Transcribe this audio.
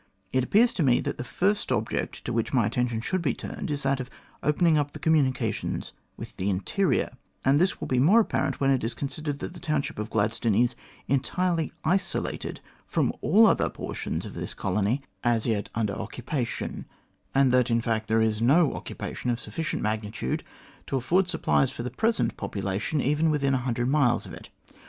It appears to me that the first object to which my attention should be turned is that of opening up the communications with the interior, and this will be more apparent when it is considered that the township of Gladstone is entirely isolated from all other portions of the colony as yet under 135 136 THE GLADSTONE COLONY occupation, and that, in fact, there is no occupation of sufficient magnitude to afford supplies for the present population even within a hundred miles of it.